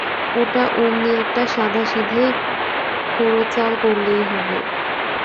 ওটা অমনি একটা সাদাসিধে খোড়ো চাল করলেই হবে।